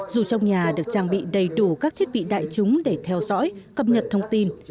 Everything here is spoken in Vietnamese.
dù trong nhà được trang bị đầy đủ các thiết bị đại chúng để theo dõi cập nhật thông tin